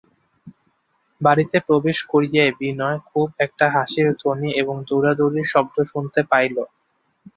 বাড়িতে প্রবেশ করিয়াই বিনয় খুব একটা হাসির ধ্বনি এবং দৌড়াদৌড়ির শব্দ শুনিতে পাইল।